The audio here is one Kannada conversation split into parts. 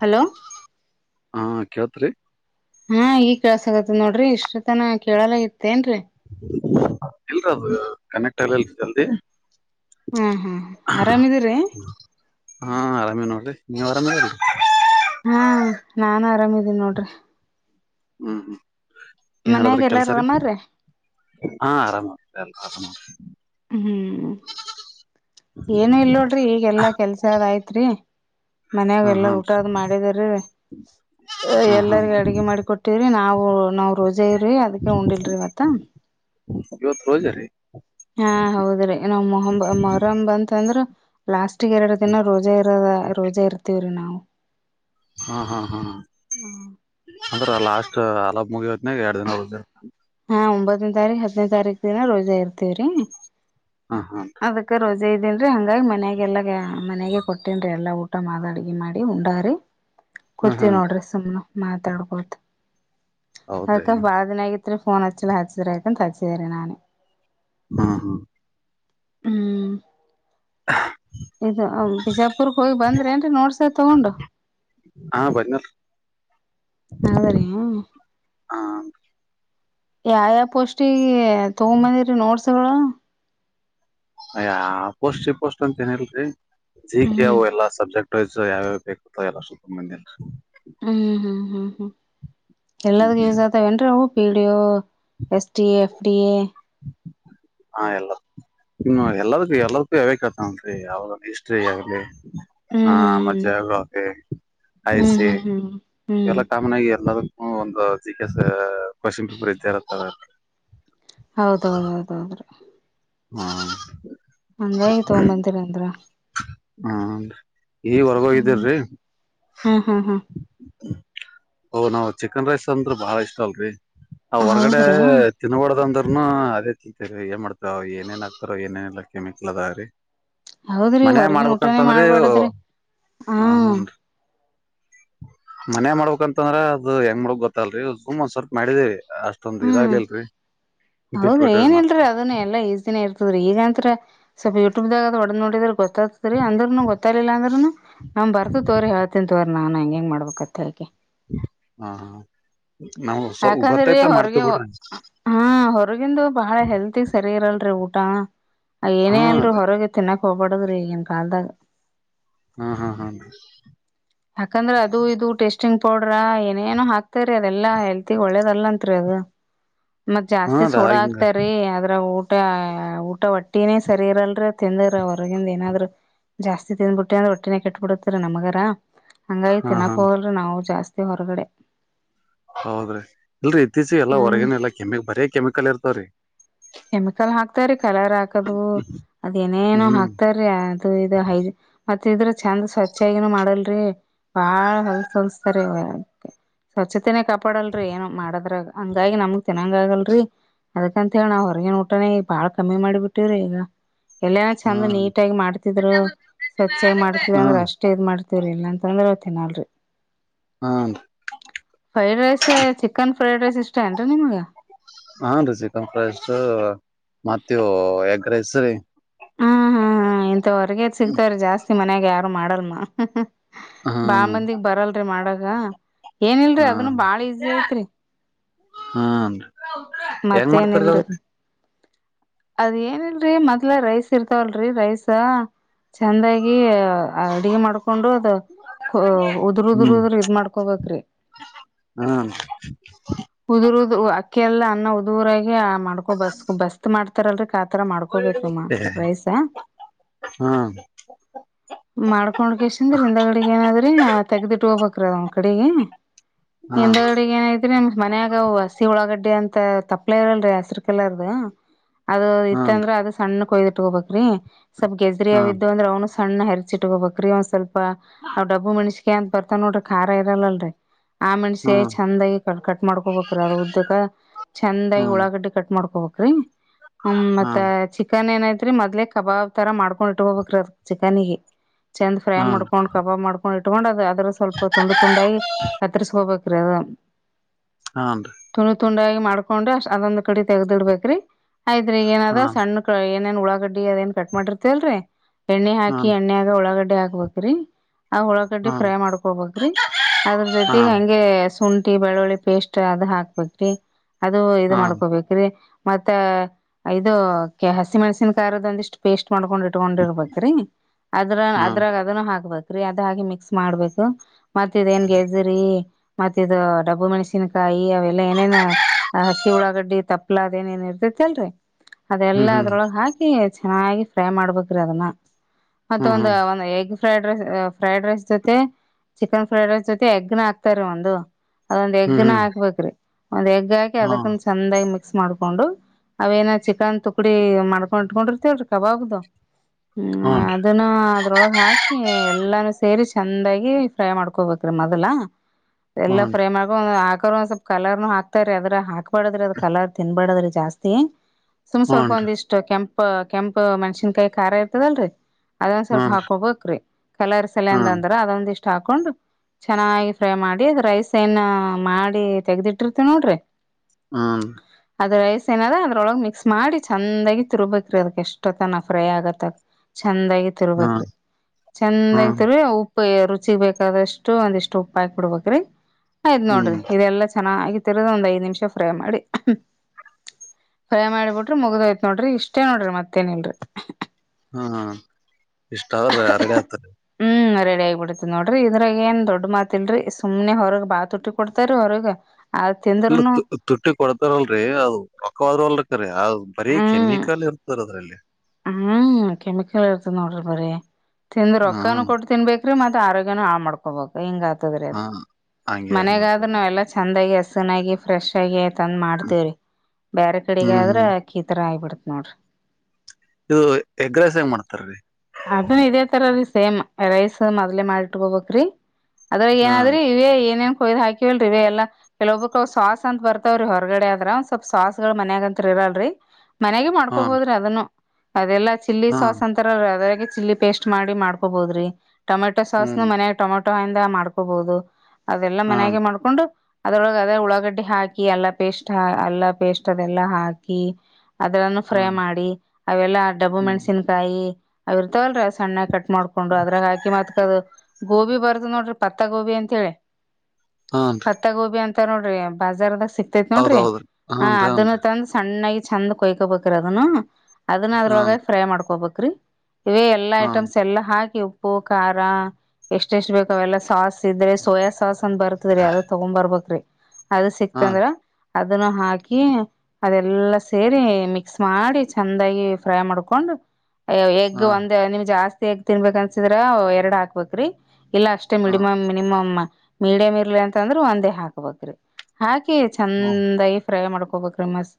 ಹಲೋ ಕ್ಯಾತ್ ರೆ ಹಾ ಈಗ ಕೇಳಸಗತ್ತ ನೋಡ್ರಿ ಇಷ್ಟತನ ಕೇಳಲ ಇತ್ತ ಏನ್ರೀ ಎಲ್ರದು ಕನೆಕ್ಟ್ ಆಗಲಿಲ್ಲ ರೀ ಜಲ್ದಿ ಹಾ ಹಾ ಆರಾಮಿದೀರಿ ಹಾ ಆರಾಮೇ ನಲ್ಲಿ ನೀವು ಆರಾಮದೀರಿ ಹಾ ನಾನ್ ಆರಾಮಿದೀನಿ ನೋಡ್ರಿ ಹ್ಮ್ ಹ್ಮ್ ಏನ್ ಹೇಳದ್ರಿ ಮನ್ಯಾಗ ಕೆಲಸ ಎಲ್ಲಾರ ರೀ ಆರಾಮಾರ್ರೀ ಹಾ ಆರಾಮ್ ಆಗ್ ಅಲ ಅ ಹ್ಮ್ ಏನು ಇಲ್ ನೋಡ್ರಿ, ಈಗೆಲ್ಲ ಕೆಲಸದಾಯಿತ್ರಿ ಮನ್ಯಾಗ ಹಾ ಎಲ್ಲಾರ ಹಾನ್ ಊಟ ಆದ್ ಮಾಡಿದ್ರ ಹಾ ಹಾನ್ ಎಲ್ಲರಿಗ ಅಡಗೆ ಮಾಡಿ ಕೊಟ್ಟವ್ರಿ ನಾವು ನಾವ್ ರೋಜಾ ರೀ ಅದಕ್ಕೆ ಉಂಡಿಲ್ರಿ ಇವತ್ತ ಇವತ್ತ ರೋಜ ರೀ ಹಾ ಹೌದ್ರಿ ನಾವ್ ಮೊಹ ಮೊಹರಂ ಬಂತಂದ್ರ ಲಾಸ್ಟ. ಇಷ್ಟ ಎರಡು ದಿನ ರೋಜಾ ಇರೋದ ರೋಜಾ ಇರುತ್ತೀವ್ರಿ ನಾವು. ಹ್ಮ ಹಾ ಹಾ ಹ ಅಂದ್ರ ಲಾಸ್ ಸರ್ ಅಲೆ ಹಬ್ಬ ಮುಗಿವತ್ ನ್ಯಾಗ ಎರಡು ದಿನ ರೋಜಾ ಹಾಕ್ತಿನಿ ನಾ ಒಂಬತ್ತನೇ ತಾರೀಕ ಹತ್ತನೇ ತಾರೀಕ ದಿನ ರೋಜಾ ಇರ್ತೇವ್ರಿ ಹಾ ಹಾ ಇದ ಇದ್ದೀನ್ ರಿ ಹಂಗಾಗಿ ಮನೆಗೆಲ್ಲ ಮನೆಗೆ ಕೊಟ್ಟೀನ್ ರೀ ಎಲ್ಲವು ಊಟ ಮಾಡಿ ಅಡ್ಗೆ ಮಾಡಿ ಉಂಡಾರಿರ ಹಾ ಕೂತವಿ ಹಾನ್ ನೋಡ್ರಿ ಸುಮ್ನೆ ಮಾತಾಡ್ಬೋದು ಹೌದ್ರಿ ಅದಕ್ಕ ಬಾಳ ದಿನ ಆಗಿತ್ತು ಇತ್ತಫೋನ್ ಅಚ್ಚಲ್ಲ ಹಚ್ಚಿದ ರತ ಅಂತ ಹಚ್ಚದರ ನಾನು ಹಾ ಹಾ ಹ್ಮ್ ಹ ಇದು ಬಿಜಾಪುರ್ಗೆ ಹೋಗಿ ಬಂದ್ರ ಏನ್ರಿ ನೋಡ್ಸ ತಗೊಂಡು ಹಾ ಬನ್ನೂ ಹೌದಾರಿ ಹಾ ಯ ಯಾವ ಪೋಷ್ಟಿ ತಗಂಬಂದಿರಿ ನೋಡ್ಸಗಳ ಅಯ್ಯ ಪೋಸ್ಟ್ ಪೋಸ್ಟ್ ಅಂತ ಏನ್ಲ್ರಿ ಜಿ ಹ್ಮ್ ಕೆ ಅವು ಎಲ್ಲಾ ಸಬ್ಜೆಕ್ಟ್ ಯಾವ್ಯಾವ ಬೇಕತ್ತ ಎಲ್ಲ ಸೂಪ ಮಂದಿ ಹ್ಮ್ ಹ್ಮ್ ಹ್ಮ್ ಹ್ಮ್ ಹ್ಮ್ ಹ್ಮ್ ಎಲ್ಲದಕ್ಕ ಹ್ಮ್ ಯೂಸ ಆತವೆನ್ರೀ ಅವ PDO S D A F D A ಹಾ ಎಲ್ಲ ಇನ್ನು ಎಲ್ಲಾದ ಕ್ಕೂ ಎಲ್ಲದಕ್ಕೂ ಯಾವಕ್ತನ್ರಿ ಯಾವ ಹಿಸ್ಟ್ರಿ ಆಲಿ ಹ್ಮ್ ಹಾ ಹ್ಮ್ ಮತ್ ಹ್ಮ್ ಜಾಗ್ರಫಿ ಐ ಹ್ಮ್ ಸಿ ಹ್ಮ್ ಹ್ಮ್ ಹ್ಮ್ ಎಲ್ಲ ಕಾಮನ್ ಆಗಿ ಎಲ್ಲದಕ್ಕು ಒಂದು ಜ ಕೆಸ್ ಕ್ವೆಶ್ಚನ್ ಪೇಪರ್ ಇದ್ದೆ ಇರತ್ತಲ್ಲ. ಹೌದೌದೌದು. ಹ್ಮ ಹಂಗಾಗಿ ತೊಗಬಂತೀರಂದ್ರ ಹ್ಮ ಈಗ್ ಹೊರ್ಗೋಗಿದ್ದೀರ್ ಹ್ಮ್ ರಿ ಹಾ ಹಾ ಹಾ ಓ ನಾವು ಚಿಕನ್ ರೈಸ್ ಅಂದ್ರ ಬಾಳ ಇಷ್ಟ ಅಲ್ರರಿ ಅವ್ ಹೊರ್ಗಡೆ ಹೌದ್ರಿ ತಿನ್ಬಾರ್ದು ಅಂದ್ರ ಹು ಅದೇ ಚಿಂತೆ ಏನ್ ಮಾಡ್ತಾರ ಏನೇನ್ ಆಗ್ತಾರ ಏನೇನಲ್ಲ ಕೆಮಿಕಲ್ ಅದಾಗ್ರೀ ಹೌದ್ರಿ ಮನ್ಯ ಹೊರಗಿನ ಊಟಾನೇ ಮಾಡ್ಬೇಕಂತಂದ್ರೆ ಮಾಡ್ಬಾರಡದ್ರಿ ಹ ಹಾಂ ಹಾಂ ರಿ ಮನೆ ಮಾಡ್ಬೇಕಕ್ಂತಂದ್ರೆ ಅದು ಹೆಂಗ ಮಾಡಕ್ ಗೊತ್ತಲ್ರರಿ ಸುಮ್ ಒಂದ್ ಸ್ವಲ್ಪ ಮಾಡಿದೇವಿ ಅಷ್ಟೊಂದು ಇದಾಗ್ಲಿಲ್ರರಿ ಹೌದ್ರ ಏನ್ ಇಲ್ರರಿ ಅದುನ್ನ ಎಲ್ಲ ಈಸಿನೇ ಇರ್ತ [unintelligible] ಈಗಂತ್ರ ಸ್ವಲ್ಪ ಯೂಟ್ಯೂಬ್ ದಾಗ ಒಡದ್ ನೋಡಿದ್ರ ಗೊತ್ತಾಗತ್ರಿ ಅಂದ್ರನು ಗೊತ್ತಿಲ್ಲ ಅಂದ್ರ್ನು. ನಮ್ ಬರ್ತು ತೋರಿ ಹೇಳ್ತನಿ ತೋರಿ ನಾನ್ ಹಂಗೆಂಗೆ ಮಾಡ್ಬೇಕತ್ತ [unintelligible] ಹ ನಾವು ಸ್ವಲ್ಪ ಯಾಕಂದ್ರೀ ಗೊತ್ತೈತ ಹೊರಗೆ ಮಾಡ್ತೇವಿ ಹೊ.. ಬಿಡ್ರಿ ಹುಂ ಹೊರಗಂದು ಬಹಳ ಹೆಲ್ತಿ ಸರಿ ಇರಲ್ರಿ ಊಟ ಏನೇ ಹಾ ಅಂದ್ರು ರೀ ಹೊರಗೆ ತಿನ್ನಕ್. ಕೋಪಡ್ದುರಿ ಈ ಕಾಲ್ದಾಗ ಹ್ಮ್ ಹ್ಮ್ ಹ್ಮ್ ಯಾಕಂದ್ರೆ ಅದು ಇದು ಟೇಸ್ಟಿಂಗ್ ಪೌಡ್ರ ಏನೇನು ಹಾಕ್ ಸರಿ ಅದೆಲ್ಲಾ ಹೆಲ್ತಿ ಒಳ್ಳೇದಲ್ಲ ಅಂತ್ರಿ ಅದು. ಮತ್ ಹಾ ಜಾಸ್ತಿ ರಾ ಸೋಡಾ ಹಿಂಗ ಹಾಕ್ತಾರಿ ಅದ್ರ ಊಟ ಊಟ ಒಟ್ಟಿನೇ ಸರಿ ಇರಲ್ರೀ. ತಿಂದರೆ ಹೊರಗಿಂದ ಏನಾದ್ರು ಜಾಸ್ತಿ ತಿಂದ್ಬಿಟ್ಟಿ ಒಟ್ಟಿನೇ ಕೆಟ್ಟಟ್ಬ ಬಿಡುತ್ತೆ ನಮ್ಗರ ಹಂಗಾಗಿ ಹಾ ಹಾ ತಿನ್ನಕ್ ಹೋಗಲ್ರಿ ನಾವು ಜಾಸ್ತಿ ಹೊರಗಡೆ ಹೌದ್ರಿ ಇಲ್ರರಿ ಇತ್ತೀಚಿಗೆ ಎಲ್ಲಾ ಹ್ಮ್ ಹೊರಗನ ಎಲ್ಲಾ ಕೆಮಿ ಬರೇ ಕೆಮಿಕಲ್ ಇರ್ತವ್ರೀ. ಕೆಮಿಕಲ್ ಹಾಕ್ತಾರೆ ಕಲರ್ ಹಾಕದು ಅದ್ ಏನೇನೋ ಹ್ಮ್ ಹಾಕ್ತಾರೀ ಅದು ಇದು ಹೈ ಮತ್ತ್ ಇದ್ರ ಚಂದ ಸ್ವಚ್ಛಗಿನೂ ಮಾಡಲ್ರಿ ಬಾಳ ಹೊಲ್ಸ ಹೊಲ್ಸ್ತಾರ ಇ ಸ್ವಚ್ಛತೆನೇ ಕಾಪಾಡಲ್ರರಿ ಏನು ಮಾಡದ್ರ ಹಂಗಾಗಿ ನಮಗ್ ತಿನ್ನಂಗ ಆಗಲ್ರರಿ ಅದಕಂತ ಹೇಳ ನಾವ್ ಹೋರ್ [unintelligible] ಊಟಾನೆ ಈ ಬಾಳ ಕಮ್ಮಿ ಮಾಡಿಬಿಟ್ಟವ್ರಿ ಈಗ ಎಲ್ಲನ ಚಂದ ಹ್ಮ್ ನೀಟ್ಗಿ ಮಾಡ್ತಿದ್ರು ಸ್ವಚ್ಛ ಮಾಡ್ತಿದ ಹಾ ಹಾ ಅಂದ್ರ ಅಷ್ಟೇ ಇದ್ ಮಾಡ್ತವ್ರಿ ಇಲ್ಲಾಂತಂದ್ರ ತಿನ್ನಲ್ರಿ ಹಾಂ [unintelligible] fried rice chicken fried rice ಇಷ್ಟ ಏನ್ರಿ ನಿಮ್ಗ ಹಾ ರಿ ಚಿಕನ್ ಫ್ರೈಸು ಮತ್ತು ಎಗ್ಗ್ ರೈಸ್ಸು ಹೊರ್ಗದ್ ಸಿಗ್ತಾವ್ರೀ ಜಾಸ್ತಿ ಮನ್ಯಾಗ ಯಾರು ಮಾಡಲ್ ಮ ಬಾಳ ಹ್ಮ್ ಮಂದಿಗ್ ಬರಲ್ರಿ ಮಾಡಕ್ [unintelligible] ಏನಿಲ್ರಿ ಅದನ್ನು ಬಾಳ ಈಸಿ ಐತ್ರಿ ಹ್ಮೀ ಹೆಂಗ ಮಾಡ್ತಾರೆ ಮತ್ತೇನಿಲ್ರಿ ಅದು. ಅದ್ ಏನಿಲ್ರಿ ಮೊದ್ಲೇ ರೈಸ್ ಇರ್ತಾವಲ್ರರಿ ರೈಸು ಚೆಂದಾಗಿ ಅಡುಗೆ ಮಾಡು. ಕೊಂಡ್ರದು ಅದ ಉದ್ರ ಉದ್ರ ಹ್ಮ್ ಉದ್ರ ಇದ್ ಮಾಡ್ಕೋಬೇಕ್ರಿ ಹ್ಮ್ ಹ್ಮ್ ಉದುರುದು ಹಾಕ್ ಅಕ್ಕಿ ಎಲ್ಲ ಅನ್ನ ಉದೂರಾಗಿ ಮಾಡ್ಕೊ ಬಸ್ ಬಸ್ತ್ ಮಾಡ್ತಾರಲ್ರಿ [unintelligible] ಮಾಡ್ಕೋಬೇಕ್ರಮ್ಮ ರೈಸಾ ಮಾಡ್ಕೊಂಡ ಕೆಸಂದ್ರ ಹಿಂದಗಡಿಗೆ ಏನಾದ್ರಿ ತೆಗ್ದಿಟ್ಟು ಹೋಗ್ಕ್ರಿ [unintelligible] ಅಡಿಗೆ ಹಾ ಹಿಂದಗಡಿಗೆ ಏನ್ ಐತ್ರಿ ನಿಮ ಮನ್ಯಾಗ ಹಸಿ ಉಳಾಗಡ್ಡಿ ಅಂತ ತಪ್ಲ ಇರಲ್ರರಿ ಹಸರು ಕಲ್ಲರ್ದು ಅದು ಹನ್ ಇತ್ತಂದ್ರೆ ಅದು ಸಣ್ಣ ಕೊಯಿದು ಗೋಬೇಕ್ರೀ ಸ್ವಲ್ಪ್ ಗೆಜ್ರರಿ ಹಾ ಹ್ಮ ಯಾವಿದ್ದು ಅಂದ್ರೆ ಅವನು ಸಣ್ಣ ಹರಿಸಚಿಟ್ಟ ಬಕ್ರಿ ಒಂದ್ ಸ್ವಲ್ಪ ಅವ ಡಬ್ಬು ಮೆಣಸಿನ ಕಾಯಿ ಅಂತ ಬರ್ತಾವ ನೋಡ್ರಿ ಖಾರ ಇರಲ್ರಿ. ಆ ಮೆಣ್ಸೆ ಚಂದಾಗಿ ಕ ಕಟ್ ಮಾಡ್ಕೊಬೇಕ್ರ ಅದು ಉದ್ದಕ್ಕ ಹ್ಮ ಚೆಂದಾಗಿ ಉಳಾಗಡ್ಡಿ ಕಟ್ ಮಾಡ್ಕೋಬೇಕ್ರೀ ಹ್ಮ್ ಹ್ಮ ಮತೆ ಚಿಕನ್ ಏನ ಮದ್ಲೆ ಕಬಾಬ್ ತರ ಮಾಡ್ಕೊಂಡ್ ಇಟ್ಕೋಬೇಕ್ರ ಅದ ಚಿಕನ್ಗೆ ಚಂದ್ ಫ್ರೈ ಮಾಡ್ಕೊಂಡ್ ಕಬಾಬ್ ಮಾಡ್ಕೊಂಡ. ಕೊಂಡ್ ಇಟ್ಕೊಂಡ್ ಅದು ಅದ್ರ ಸ್ವಲ್ಪ ತುಂಡು ತುಂಡಾಗಿ ಹ್ಮ ಕತ್ತರ್ಸ್ಕೋಬೇಕ್ರಿ ಹಾನ್ರಿ ಅದ್ನ್ ತುಂಡಾಗಿ ಮಾಡ್ಕೊಂಡು ಅದೊಂದ್ ಕಡಿ ತೆಗ್ದಿಡ್ಬೇಕ್ರಿ ಆಯ್ತ್್ರಿ ಏನದ ಹಾನ್ ಸಣ್ಣ ಏನೇನ್ ಉಳ್ಳಳಾಗಡ್ಡಿ ಅದೇಏನ್ ಕಟ್ ಮಾಡಿರ್ತಿಲ್ರರಿ ಎಣ್ಣೆ ಹಾಕಿ ಹಾನ್ ಎಣ್ಣೆಾಗ ಒಳಗಡ್ಡೆ ಹಾಕ್ಬೇಕ್ರಿ ಆ ಹುಳಾಗಡ್ಡಿ ಹಾನ್ ಫ್ರೈ ಮಾಡ್ಕೊಬೇಕ್ರಿ ಅದ್ರ ಜೊತೆಗೆ ಹಾನ್ ಹಂಗೆ ಸುಂ ಟ್ಟಿ ಬೆಳ್ಳುಳ್ಳಿ ಪೇಸ್ಟ್ ಅದು ಹಾಕ್ಬೇಕ್ರಿ ಅದು ಇ ಹಾನ್ ಮಾಡ್ಕೋಬೇಕ್ರಿ ಮತ್ತ ಇದು ಕೆ ಹಸಿ ಮೆಣಸಿನ ಕಾರದ ಒಂದಿಷ್ಟು ಪೇಸ್ಟ್ ಮಾಡ್ಕೊಂಡ್ ಇಟ್ಕೊಂಡಿರ್ಬೇಕಕ್ರಿ ಅದ್ರ ಹಾನ್ ಅದ್ರಾಗ ಅದನ್ನ ಹಾಕ್ಬೇಕ ಿ ಅದ ಹಾಗೆ ಮಿಕ್ಸ್ ಮಾಡ್ಬೇಕು ಮತ್ತತ್ ಇದಏನ್ ಜರಿ ಮತ್ತ ಇದು ಡಬ್ಬು ಮೆಣಸನ್ಕಾಯಿ ಅವೆಲ್ಲಾ ಏನೇನ ಹಸಿ ಉಳ್ಳಾಗಡ್ಡಿ ತಪ್ಪಲಾ ಅದೇಏನೇಏನ್ ಇರ್ತೈತಿ ಅಲ್ರರಿ ಹ್ಮ್ ಅದೆಲ್ಲಾ ಹ್ಮ್ ಅದ್ರೊಳಗ ಹಾಕಿ ಚೆನ್ನಾಗಿ ಫ್ರೈ ಮಾಡ್ಬೇಕ್ರಿ ಅದನ್ನ ಮತ್ತ ಹ್ಮ್ ಒಂದ ಹ್ಮ್ ಒಂದ egg fried rice fried rice ಜೊತೆ ಚಿಕನ್ ಫ್ರೈಡ್ ರೈಸ್ ಜೊತೆ ಎಗ್ನ ಹಾತ ರೀ ಒಂದು ಅದೊಂದ್ ಎಗ್ ಹ್ಮ್ ನ ಹ್ಮ್ ಹಾಕ್ಬೇಕ್ರೀ ಒಂದ ಎಗ್ ಹಾಕಿ ಹಾ ಅದಕ್ಕಂದ ಚಂದಾಗಿ ಮು ಮಿಕ್ಸ್ ಮಾಡ್ಕೊಂಡು ಅವೇನ ಚಿಕನ್ ತುಕಡಿ ಮಾಡ್ಕೊಂಡ ಇಟ್ಕೊಂಡಿರ್ತೇವ್ರಿ ಕಬಬ್ದು ಹ್ಮ್ ಹಾನ್ರಿ ಅದನ್ನ ಅದ್ರೊಳಗ ಹಾಕಿ ಎಲ್ಲಾನು ಸೇರಿಸ ಚೆಂದಾಗಿ ಫ್ರೈ ಮಾಡ್ಕೊಬೇಕ್ರೀ ಮೊದ್ಲ ಎಲ್ಲಾ ಹಾನ್ರಿ ಫ್ರೈ ಮಾಡ್ಕೊಂಡ ಒ ಸ್ವಲ್ಪ್ ಕಲರ್ನು ಹಾಕ್ತಾರ ಅದ್ರ ಹಾಕ್ಬಾರಡದ್ರಿ ಅದ್ ಕಲರ್ ತಿನ್ಬಾರಡದ್ರಿ ಜಾಸ್ತಿ ಸುಮ್ ಸ್ವಲ್ಪ ಹಾನ್ರಿ ಒಂದ ಇಷ್ಟು ಕೆಂಪ ಕೆಂಪ ಮಣಷನ್ಕಾಯಿ ಖಾರ ಇರ್ತದಲ್ರರಿ ಅದೊಂದ್ ಸ್ವಲ್ಪ ಹಾನ್ರಿ ಹಾಕೋಬೇಕಕ್್ರೀ ಕಲರ್ ಸಲ ಹಾನ್ ಅಂದ್ರ ಅದೊಂದ ಇಷ್ಟ್ ಇ ಹಾಕೊಂಡು ಚೆನ್ನಾಗಿ ಫ್ರೈ ಮಾಡಿ ಅದ ರೈಸ್ ಏನ್ ಮಾಡಿ ತೆಗದಿಟ್ಟಿರ್ತಿವ ನೋಡ್ರಿ ಹ್ಮ ನದ ಅದ್ರೊಳಗೆ ಮಿಕ್ಸ್ ಮಾಡಿ ಚಂದಾಗಿ ತಿರುರ್ಬೇಕಕ್ರ ಅದಕ್ ಎಷ್ಟೊ ತನ ಫ್ರೈ ಆಗತ್ತ ಚಂದಾಗಿ ತಿರ್ಬೇಕ್ರಿ ಹಾನ್ ಚಂದಾಗಿ ಹಾನ್ ತಿರುವಿ ಉಪ್ಪ ಉ ರುಚಿ ಬೇಕಾದಷ್ಟು ಒಂದಿಷ್ಟು ಉಪ್ಪಾಯಿ ಕೊಡ್ಬೇಕ್ರಿ ಆಯ್ ನೋಡ್ರಿ ಹ್ಮ್ ಇದೆಲ್ಲ ಚೆನ್ನಾಗಿ ಹತ್ತರದ ಒಂದ್ ಐದ್ ನಿಮಿಷ ಫ್ರೈ ಮಾಡಿ ಫ್ರೈ ಮಾಡಿಬಿಟ್ರಿ ಮುಗ್ದ್ೋಯ್ತ್ ನೋಡ್ರಿ ಇಷ್ಟೇ ನೋಡ್ರಿ ಮತ್ತೇನ್ಲ್ರರಿ ಹ್ಮ ಇಷ್ಟಾವ್ರೀ ಆರೆಡಿ ಆತರಿ ಗಡಿ ಆಗ್ಬ ಬಿಡ್ತೇತಿ ನೋಡ್ರಿ ಇದ್ರಾಗ ಏನ್ ದೊಡ್ ಮಾತ್ತಿಲ್ರರಿ ಸುಮ್ನೆ ಹೊರಗ್ ಬಾ ತುಟ್ಟಿ ಕೊಡ್ತಾರರಿ ಹೊರಗ್ ಇಲ್ಲ ತುಟ್ಟಿ ಕೊಡ್ತಾರಲ್ರರಿ ಅದು ರೊಕ್ಕವಾದರು ಅಲ್ರ ್ ಬರೀ ಹ್ಮ್ ಕೆಮಿಕಲ್ ಇರ್ತದೆ ಅದ್ರಲ್ಲಿ ಹ್ಮ್ ಕೆಮಿಕಲ್ ಇರ್ತ ನೋಡ್ರಿ ಬರರಿ ತಿಂದ ಹಾ ರೊಕ್ಕಾನ ಕೊಟ್ಟ ತಿನ್ಬೇಕು ಮತ್ತ ಆರೋಗ್ಯನು ಹಾಳ್ ಮಾಡ್ಕೋಬೇಕು ಹಿಂಗ ಆತದ್ರೀ ಹಾ ಹಂಗೆ ಅದ್ ನೋಡ್ರಿ ಮನೆಗಾದ್ರೂ ಅದು ನಾವ ಎಲ್ಲಾ ಚೆಂದಾಗಿ ಚೆನ್ನಾಗಿ ಫ್ರೆಶ್ ಆಗಿ ತಂದ್ ಮಾಡ್ತೇವ್ರಿ ಬೇರೆ ಕಡೆಗ ಹ್ಮ್ ಹ್ಮ್ ಆದ್ರೆಕ್ಕಿ ತರ ಆಗಿಬಿಡ್ತ ನೋಡ್ರಿ ಇದು ಎಗ್ ರೈಸ್ ಹೆಂಗ್ ಮಾಡ್ತಾರ್ರಿ ಅದನ್ನ ಇದೇ ತರಲ್ಲಿ ಸೇಮ್ ರೈಸ್ ಮೊದ್ಲೆ ಮಾಡಿಟ್ಕೋಬೇಕ್ರೀ ಅದ್ರಾಗ ಹಾನ್ ಏನಾದ್ರಿ ಇವ ಏನೇನ್ ಒಯ್ ಹಾಕಿವವಲ್ರಿ ಎಲ್ಲ ಕೆಲ್ೊಬ್ಬಕ್ ಸಾಸ್ ಅಂತ ಬರ್ತವ್ರೀ ಹೊರಗಡೆ ಆದದ್ರ ಒ ಸ್ವಲ್ಪ ಸಾಸ್ ಗಳು ಮನ್ಯಾಗಂತರಿವ ಲ್ರಿ ಮನೆಗೆ ಹಾನ್ ಮಾಡ್ಕೋಬೋದ್ರಿ ಅದನ್ನು ಅದೆಲ್ಲಾ ಚಿಲ್ಲಿ ಸಾಸ್ ಹಾನ್ ಅಂತಾರ ಅದ್ರಾಗೆ ಚಿಲ್ಲಿ ಪೇಸ್ಟ್ ಮಾಡಿ ಮಾಡ್ಕೊಬೋದ್ರಿ ಟೊಮೆಟೊ ಸಾಸ್ನು ಹ್ಮ್ ಮನ್ಯಾಗ ಟೊಮೆಟೊ ಹಿಂದ ಮಾಡ್ಕೊಬಹುದು ಅದೆಲ್ಲಾ ಹಾನ್ ಮನ್ಯಾಗೆ ಮಾಡ್ಕೊಂಡು ಅದ್ರೊಳಗ ಅದೇ ಉಳ್ಳಾಗಡ್ಡೆಡಿ ಹಾಕಿ ಎಲ್ಲ ಪೇಸ್ಟ್ ಅಲ್ಲ ಪೇಸ್ಟ್ ಅದೆಲ್ಲಾ ಹಾಕಿ ಅದ್ರನ್ನು ಫ್ರೈ ಹಾನ್ ಮಾಡಿ ಅವೆಲ್ಲಾ ಡಬ್ಬು ಹ್ಮ್ ಮೆಣ್ಸಿನ್ಕಾಯಿ ಅವರ ತಲ್ ರಸ ಅಣ್ಣ ಕಟ್ಟ ಮಾಡ್ಕೊಂಡು ಅದ್ರಾಗ ಹಾಕಿ ಮತ್ಕದು ಗೋಬಿ ಬರದು ನೋಡ್ರಿ ಪತ್ತ ಗೋಬಿ ಅಂತ ಹೇಳಿ ಹಾನ್ ಪತ್ತ ಗೋಬಿ ಅಂತ ನೋಡ್ರಿ ಬಾಜಾರ್ದ ಸಿಕ್ತೇತ್ ನೋಡ್ರಿ ಹೌದೌದ್ರಿ ಹ ಹನ್ರಿ ಅದನ್ನ ಹನ್ರಿ ತಂದ ಸಣ್ಣಾಗಿ ಚೆಂದ ಕೊಯ್ಕೊಬೇಕ್ರ ಅದನ್ನು ಅದನ್ನ ಅದ್ರೊಳಗೆ ಹನ್ ಫ್ರೈ ಮಾಡ್ಕೋಬೇಕ್ರಿ ಇವ ಎಲ್ಲಾ ಹನ್ ಐಟಮ್ಸ್ ಎಲ್ಲ ಹಾಕಿ ಉಪ್ಪು ಖಾರ ಎಷ್ಟ ಎಷ್ಟು ಬೇಕಾವೆಲ್ಲ ಸಾಸ್ ಇದ್ರೆ ಸೋಯಾ ಸಾಸ್ ಅಂದ ಬರ್ತದರಿೀ ಅದ ತಗೊಂಡ್ ಬರ್ಬೇಕಕ್್ರೀ ಅದು ಹನ್ ಸಿಕ್ತಂದ್ರ ಅದನ್ನು ಹಾಕಿ ಅದೆಲ್ಲ ಸೇರಿ ಮಿಕ್ಸ್ ಮಾಡಿ ಚಂದ ಫ್ರೈ ಮಾಡ್ಕೊಂಡ್ ಎಗ್ ಹನ್ ಒಂದ ನಿಮ್ ಜಾಸ್ತಿ ಸೇಗ್ ತಿನ್ಬೇಕ ಅನ್ಸಿದ್ರ ಎರಡ್ ಹಾಕ್ಬೇಕ್ರಿ ಇಲ್ಲ ಅಷ್ಟೇ ಹನ್ ಮಿಡಿಮಮ್ ಮಿನಿಮಮ್ ಮೀಡಿಯಂ್ ಇರ್ಲಿ ಅಂತಂದ್ರ ಒಂದೇ ಹಾಕ್ಬೇಕ್ರಿ ಹಾಕಿ ಹ್ಮ ಚಂದಾಗಿ ಫ್ರೈ ಮಾಡ್ಕ ಕೋಬ ಕ್ರಿಮಸ್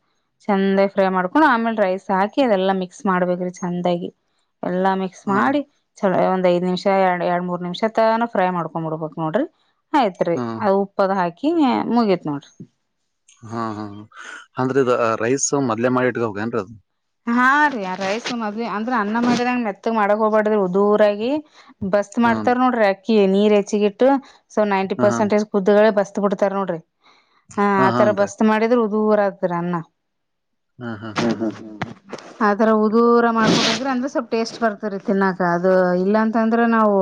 ಚೆಂದ ಫ್ರೈ ಮಾಡ್ಕೊಂಡು ಆಮೇಲೆ ರೈಸ್ ಸಾಕಿ ಅದೆಲ್ಲಾ ಮಿಕ್ಸ್ ಮಾಡ್ಬೇಕ್ರಿ ಚಂದಾಗಿ ಎಲ್ಲಾ ಮಿಕ್ಸ್ ಹನ್ ಮಾಡಿ ಚಲ ದ ಐದ್ ನಿಮಿಷ ಎರಡ್ ಎರಡ್ ಮೂರ್ ನಿಮಿಷ ತನ ಫ್ರೈ ಮಾಡ್ಕೊಂಡ್ ಬಿಡ್ಬೇಕು ನೋಡ್ರಿ ಆಯ್ತ್ರಿ ಹನ್ ಅದು ಉಪ್ಪದ ಹಾಕಿ ಮುಗೇತ್ ನೋಡ್ರಿ ಹಾ ಹಾ ಅಂದ್ರೆ ಇ ರೈಸ್ ಮದ್ಲೆ ಮಾಡಿ ಇಟ್ಗ ಹೋಗೇಏನ್ರಿ ಅದು ಹಾ ರೀಾರ ರೈಸ ಮದ್ಲೆ ಅಂದ್ರ ಅನ್ನ ಮದದಂಗ್ ಮೆತ್ತಗ್ ಮಾಡಕ್ ಹೋಗಬಾರಡ್ರ ಉದೂರಯ ಬಸ್ತ್ ಹನ್ ಮಾಡ್ತಾರ ನೋಡ್ರಿ ಅಕ್ಕಿ ನೀರ್ ಹೆಚ್ಚಿಗಿಟ್ಟು ಸೊ ನೈಂಟಿ ಹನ್ ಪರ್ಸೆಂಟೇಜ್ ಕುದ್ದಗಳೇ ಬಸ್ ತ್ ಬಿಡ್ತಾರ ನೋಡ್ರಿ ಹ ಆತರ ಬಸ್ತ್ ಮಾಡಿದ್ರರು ದೂರ ಆದತರ ಅನ್ನ ಹಾ ಹಾ ಹಾ ಹಾ ಆತರ ಉದರ ಮಾಡ್ಿದ್ರೆ ಅಂದ್ರ ಸ್ವಲ್ಪ್ ಟೇಸ್ಟ್ ಬರ್ತರಿ ತಿನ್ನಾಕ ಅದು ಇಲ್ಲಾಂತಂದ್ರೆ ನಾವು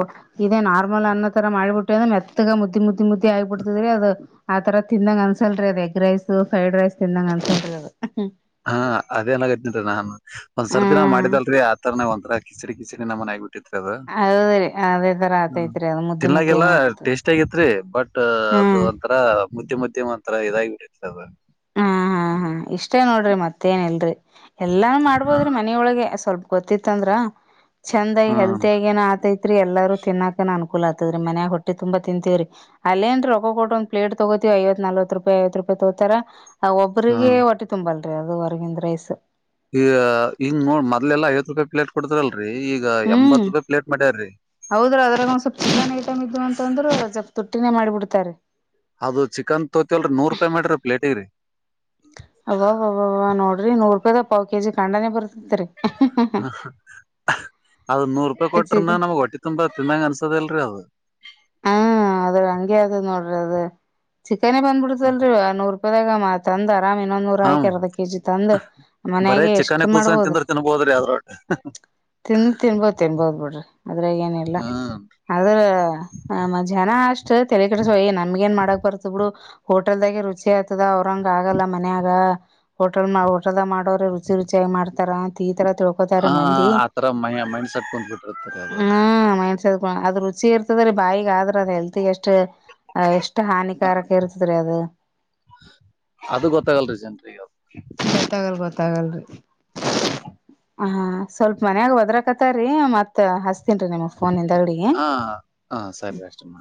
ಇದೇ ನಾರ್ಮಲ್ ಅನ್ನ ತರ ಮಾಡಿಬಿಟ್ಟು ಅಂದ್ರೆ ಮೆತ್ತಗ ಮುದ್ದಿ ಮುದ್ದಿ ಮುದ್ದಿ ಆಗಿಬಿಡ್ತದ್ರರಿ ಅದು ಆ ತರ ತಿಿಂದ ಅನ್ಸಲ್ರಿ ಅದು ಎಗ್ ರೈಸ್ ಫ್ರೈಡ್ ರೈಸ್ ತಿಂದಂಗ ಅನ್ಸಲ್ರಿ ಅದು ಹಾ ಅದೇನಾಗ್ನನ್ೀ ನಾನ್ ಒಂದ್ಸರ್ ದಿನ ಹ್ಮ ಮಾಡಿದಲ್ರರಿ ಆತರನ ಒಂರ ಕಿಸ್ರ ದಿಸಿಿನ ನ ಮನ ಆಗು ಅ ಹೌದ್ರಿ ಅದೇ ತರ ಆತೈತ್ರಿ ಅದು ಮುದ್ದಿ ಮುದ್ದಿ ತಿನ್ನಾಗಲ್ಲ ಆತ ಟೇಸ್ಟ ಆಗತ್ರಿ ಬಟ್ ಅದು ಹ್ಮ್ ಒಂಥರ ಮುದ್ದಮ ಮುದ್ದಮ ಒಂಥರ ಇದಾಗಿ ಬಿಡತ ಅದು ಹಾ ಹಾ ಹಾ ಇಷ್ಟೇ ನೋಡ್ರಿ ಮತ್ತೇನ್ಲ್ರರಿ ಎಲ್ಲಾನು ಹಾ ಮಾಡ್ಬೋದ್ರಿ ಮನೊಳಗೆ ಸ್ವಲ್ಪ ಗೊತ್ತಿತ್ತ ಅಂದ್ರ ಚಂದಾಗಿ ಹಾ ಹೆಲ್ತಿ ಆಗ ಏನ ಆತ ರಿ ಎಲ್ಲಾರೂ ತಿನ್ನಾಕ ಅನ್ಕೂಲ್ ಆತತ್ದರಿ ಮನ್ಯಾಗ ಹೊಟ್ಟೆ ತುಂಬಾ ತಿಂತೀವ್ರೀ ಅಲ್ಲೇನ್ ರೀ ರೊ ಕೊಟ್ಟ ಒಂದ್ ಪಲೇಟ್ ತಗೋತಿ ಐವತ್ ನಲ್ವತ್ ರೂಪಾಯಿ ಐವತ್ತು ರೂಪಾಯಿ ತೋತರ ಹಾ ಗ ಒಟ್ಟಿ ತುಂಬಲ್ರರಿ ಅದು ಹೊರಗಿಂದ ರೈಸ್ ಈ ಹಂಗ್ ನೋಡ್ ಮೊದಲೆಲ್ಲ ಐ್ ರೂಪಾಯಿ ಪ್ಲೇಟ್ ಕೊಡ್ತರಲ್ಲ ರಿ ಈಗ ಹ್ಮ್ ಎಂಬತ್ ರೂಪಾಯಿ ಪ್ಲೇಟ್ ಮಾಡ್ಯಾರ್ರೀ ಹೌದ್ರ ಅದ್ರಾಗ ಒಂದ ಸ್ವಲ್ಪ್ ಚಿಕನ್ ಐಟಮ್ ಇದ್ ಅಂತ ಅಂದ್ರರು ಸ್ವಲ್ಪ್ ತೊಟ್ಟಿನೇ ಮಾಡಿಬಿಡ್ತಾರೆ ಅದು ಚಿಕನ್ ತೋತತಿವಲ್ರಿ ನೂರ್ ರೂಪಾಯಿ ಮಾಡಿ್ರಿ ಪ್ಲೇಟಿ ರರಿ ರೀೂರುೂಪಾಯಿ ಪಾವ ಕೆಜಿ ಕಣ್ಡಾನೇ ಬರ ಹ ಅದ ನೂರು ರೂಪಾಯಿ ಕೊಟ್ರನ್ನ ಚಿಕನ್ ನಮ್ಗ್ ಹೊಟ್ಟೆ ತುಂಬಾ ತಿನ್ನಂಗ ಅನ್ಸೋದಲ್ಲ ದು ಹಾ ಅದ ಹಂಗೆ ಅದ್ ನೋಡ್ರಿ ಅದ ಚಿಕನ್ನೆ ಬಂದ್ಬಿಡ್ತಲ್ರಿ ಆನೂರು ಪದಕ ಮಾ ತಂದಾರ್ ಗ್ರಾಮ್ ಇನ್ನೊ್ ನೂರುಕ ಹ್ಮ್ ಎರ್ಧ ಕೆಜಿ ತಂದ ಬರೇ ಮನ್ಯಾಗ ಚಿಕನ್ ಎಷ್ಟ ಕೂಸನ್ ತಿಂದ್ರ ಮಾಡ್ಬೋದ್ರಿ ತಿನ್ಬೋದ್ರಿ ಅದ್ರೊಟ್ಟ ತಿನ್ ತಿನ್ಬೋದ್ ತಿನ್ಬೋದ್ ಬಿಡ್ರಿ ಅದ್ರಾಗ ಏನಿಲ್ಲ ಹ್ಮ್ ಆದ್ರ ನಮ್ಮ ಜನ ಅಷ್ಟ್ ತಲೆ ಕಡಸಯಿ ನಮ್ಗಏನ್ ಮಾಡಕ್ ಬರ್ತ ಬಿಡು ಹೋಟೆಲ್ದಾಗೆ ರುಚಿ ಆಯ್ತದ ಅವ್ರಂಗ ಆಗಲ್ಲ ಮನ್ಯಾಗ ಹೋಟೆಲ್ ಹೋಟೆದಾಗ ಮಾಡೋ್ರೆ ರುಚಿ ರುಚಿ ಆತ ಮಾಡ್ತಾರ ಈ ತರ ಒದರುು ಆ ಮಂದ ಆತರ ಮೈ ಮೈಂಡ್ ಸೆಟ್ ಕುಂತ್ ಬಿಟ್ಟಿರ್ತರಿ ಅದು ಹ್ಮ ಕೋ ಅದು ರುಚಿ ಇರ್ತದ್ರೀ ಬಾಯಿಗ ಆದ್ರ ಅ್ ಹೆಲ್ತ್ಗೆ ಎಷ್ಟು ಅ ಎಷ್ಟು ಹಾನಿಕಾರಕ್ಕೆ ಇರ್ತಿದ್ರೀ ಅದು ಹ್ಮ್ ಆಗಲ್ ಗೊತ್ತಾಗಲ್ರಿ ಹ ಸ್ವಲ್ಪ ಮನ್ಯಾಗ ಒದ್ರಕತಾರಿೀ ಮತ್ ಹಸ್ ನಿಮ್ಮ ಫೋನ್ ತಗಡಿ ಹಾ ಹಾ ಸರಿ ಅಷ್ಟೇ ಮಾಡ್